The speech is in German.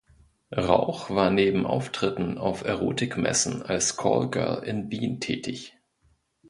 Rauch war neben Auftritten auf Erotik-Messen als Callgirl in Wien tätig.